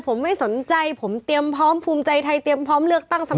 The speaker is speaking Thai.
ผมไม่สนใจผมเตรียมพร้อมภูมิใจไทยเตรียมพร้อมเลือกตั้งเสมอ